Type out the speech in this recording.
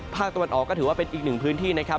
ภาคตะวันออกก็ถือว่าเป็นอีกหนึ่งพื้นที่นะครับ